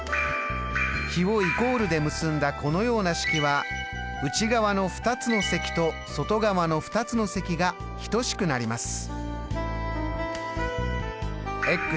比をイコールで結んだこのような式は内側の２つの積と外側の２つの積が等しくなります。